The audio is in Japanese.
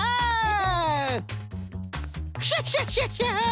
クシャシャシャシャ！